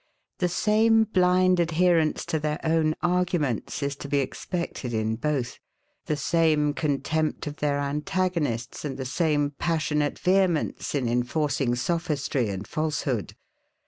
The same blind adherence to their own arguments is to be expected in both; the same contempt of their antagonists; and the same passionate vehemence, in inforcing sophistry and falsehood.